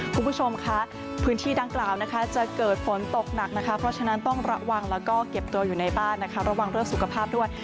คุณผู้ชมค่ะพื้นที่ดังกล่าวนะคะจะเกิดฝนตกหนักนะคะเพราะฉะนั้นต้องระวังแล้วก็เก็บตัวอยู่ในบ้านนะคะระวังเรื่องสุขภาพด้วย